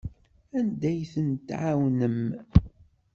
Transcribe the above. Anda ay ten-tɛawnem?